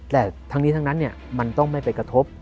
แต่ทั้งนี้ทั้งนั้นมันต้องไม่ไปกระทบ